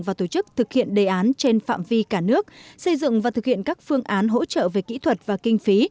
và tổ chức thực hiện đề án trên phạm vi cả nước xây dựng và thực hiện các phương án hỗ trợ về kỹ thuật và kinh phí